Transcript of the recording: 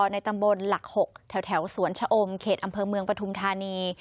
ในตำบลหลัก๖แถวสวนชะอมเขตอำเภอเมืองปฐุมธานี